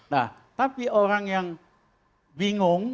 nah tapi orang yang bingung